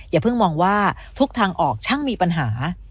อย่าเพิ่งมองว่าทุกทางออกช่างมีปัญหา